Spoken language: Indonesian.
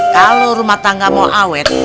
kalau rumah tangga mau awet